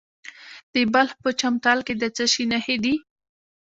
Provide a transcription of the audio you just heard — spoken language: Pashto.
د بلخ په چمتال کې د څه شي نښې دي؟